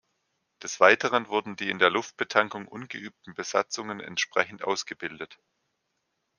Des Weiteren wurden die in der Luftbetankung ungeübten Besatzungen entsprechend ausgebildet.